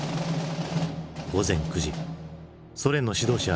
午前９時ソ連の指導者